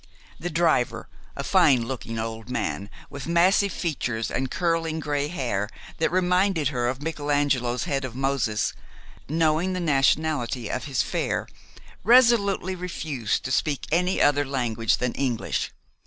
The driver, a fine looking old man, with massive features and curling gray hair that reminded her of Michelangelo's head of Moses, knowing the nationality of his fare, resolutely refused to speak any other language than English.